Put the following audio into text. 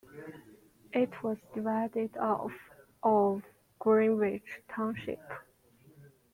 It was divided off of Greenwich Township.